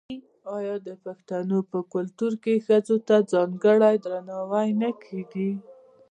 آیا د پښتنو په کلتور کې ښځو ته ځانګړی درناوی نه کیږي؟